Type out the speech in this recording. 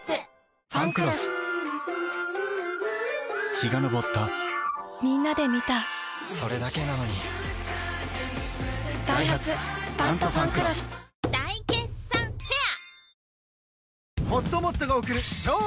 陽が昇ったみんなで観たそれだけなのにダイハツ「タントファンクロス」大決算フェア